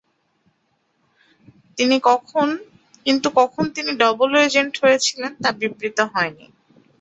কিন্তু কখন তিনি "ডাবল ও-এজেন্ট" হয়েছিলেন, তা বিবৃত হয়নি।